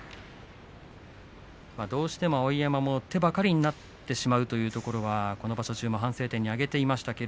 どうしても碧山は手ばかりなってしまうっていうところはこの場所中も反省点で挙げていました。